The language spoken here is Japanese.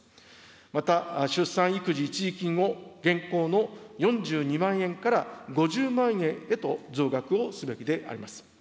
また出産育児一時金を現行の４２万円から５０万円へと増額をすべきであります。